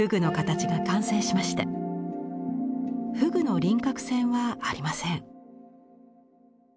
河豚の輪郭線はありません。